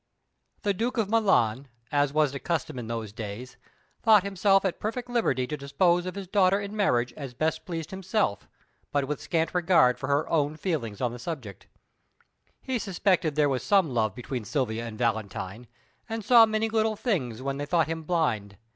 The Duke of Milan, as was the custom in those days, thought himself at perfect liberty to dispose of his daughter in marriage as best pleased himself, with but scant regard for her own feelings on the subject. He suspected there was some love between Silvia and Valentine, and saw many little things when they thought him blind.